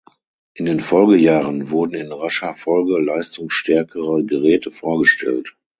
In den Folgejahren wurden in rascher Folge leistungsstärkere Geräte vorgestellt.